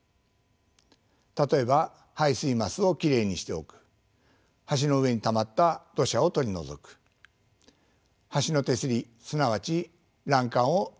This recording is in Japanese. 例えば排水桝をきれいにしておく橋の上にたまった土砂を取り除く橋の手すりすなわち欄干を塗装するなどです。